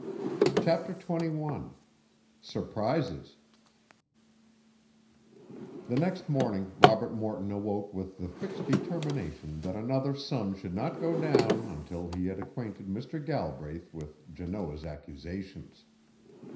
CHAPTER XXI SURPRISES The next morning Robert Morton awoke with the fixed determination that another sun should not go down until he had acquainted Mr. Galbraith with Janoah's accusations.